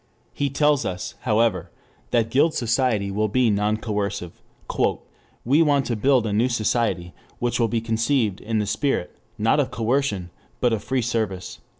He tells us, however, that Guild society will be non coercive: "we want to build a new society which will be conceived in the spirit, not of coercion, but of free service."